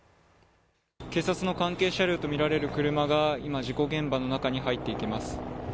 警察の関係車両とみられる車が今事故現場の中に入っていきます。